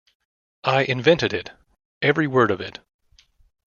I invented it — every word of it.